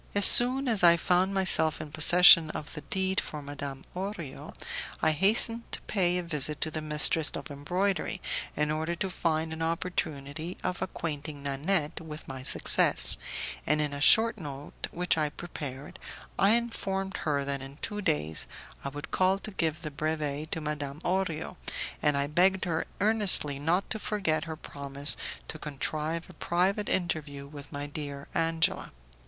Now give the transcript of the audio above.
As soon as I found myself in possession of the deed for Madame Orio, I hastened to pay a visit to the mistress of embroidery, in order to find an opportunity of acquainting Nanette with my success, and in a short note which I prepared, I informed her that in two days I would call to give the brevet to Madame Orio, and I begged her earnestly not to forget her promise to contrive a private interview with my dear Angela.